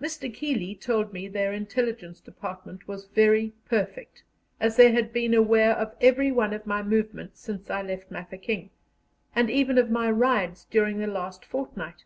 Mr. Keeley told me their Intelligence Department was very perfect, as they had been aware of every one of my movements since I left Mafeking, and even of my rides during the last fortnight.